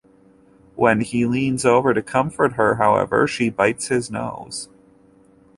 When he leans over to comfort her, however, she bites his nose.